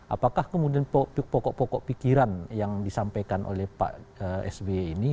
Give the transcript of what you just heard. apakah kemudian pokok pokok pikiran yang disampaikan oleh pak sby ini